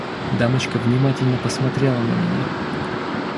Дамочка внимательно посмотрела на меня.